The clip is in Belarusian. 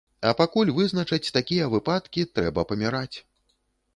А пакуль вызначаць такія выпадкі, трэба паміраць.